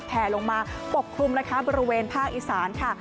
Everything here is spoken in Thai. แผลลงมาปกคลุมนะคะบริเวณภาคอีสานค่ะ